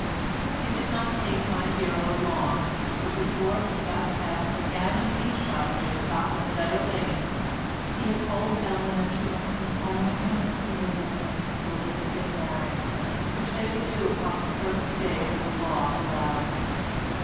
It did not take my hero long, for before he got past the ham and beef shop near the top of Fetter Lane, he had told Ellen that she must come home with him and live with him till they could get married, which they would do upon the first day that the law allowed.